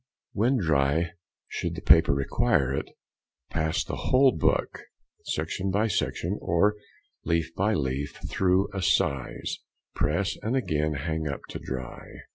When dry, should the paper require it, pass the whole book, section by section, or leaf by leaf, through a size, press, and again hang up to dry.